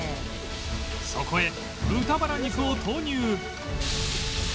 そこへ豚バラ肉を投入